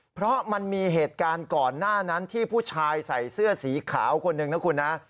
เพราะมันมีเหตุการณ์ก่อนหน้านั้นที่ผู้ชายใส่เสื้อสีขาวคนหนึ่งนะคุณนะ